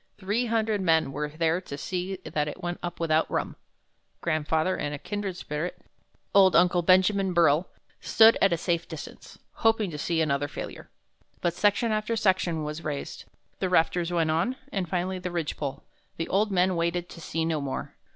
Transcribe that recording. Three hundred men were there to see that it went up without rum. Grandfather and a kindred spirit, Old Uncle Benjamin Burrill, stood at a safe distance, hoping to see another failure. But section after section was raised. The rafters went on, and finally the ridge pole. The old men waited to see no more.